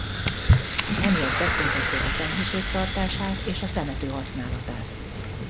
Emiatt beszüntették a szentmisék tartását és a temető használatát.